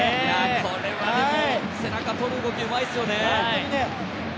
これは背中とる動き、すごいですよね。